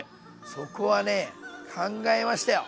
そこはね考えましたよ。